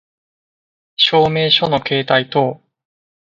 証明書の携帯等